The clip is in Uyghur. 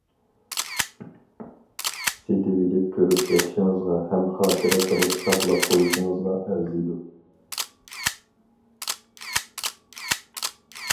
سېتىۋېلىپ كۆرۈپ بېقىشىڭىزغا ھەم خاتىرە قىلىپ ساقلاپ قويۇشىڭىزغا ئەرزىيدۇ.